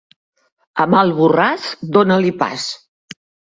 A mal borràs, dona-li pas.